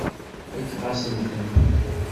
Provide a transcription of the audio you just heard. Fakeɣ-asent-ten.